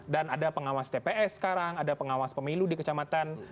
dan ada pengawas tps sekarang ada pengawas pemilu di kecamatan